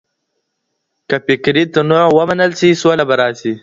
که فکري تنوع ومنل سي سوله به راسي.